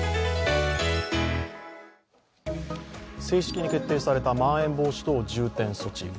正式に決定されたまん延防止等重点措置。